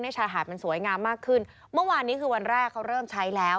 ชายหาดมันสวยงามมากขึ้นเมื่อวานนี้คือวันแรกเขาเริ่มใช้แล้ว